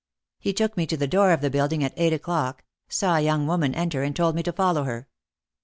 He took me to the door of the building at eight o'clock, saw a young woman enter and told me to follow her.